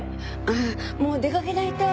ああもう出かけないと。